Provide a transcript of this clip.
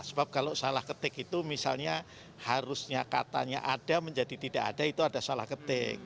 sebab kalau salah ketik itu misalnya harusnya katanya ada menjadi tidak ada itu ada salah ketik